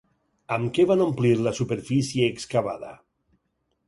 Amb què van omplir la superfície excavada?